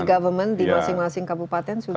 government di masing masing kabupaten sudah